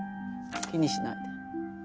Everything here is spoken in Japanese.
気にしないで。